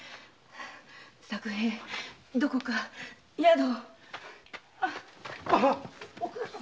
作平どこか宿を。